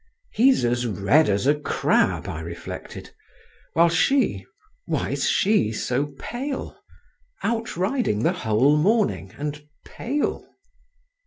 "He's as red as a crab," I reflected, "while she … why's she so pale? out riding the whole morning, and pale?"